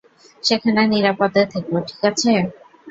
সেখানে নিরাপদে থেকো, ঠিক আছে?